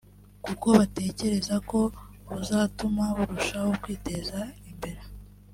kuko batekereza ko buzatuma barushaho kwiteza imbere